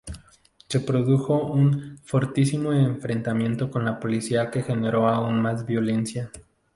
Se produjo un fortísimo enfrentamiento con la policía que generó aún más violencia.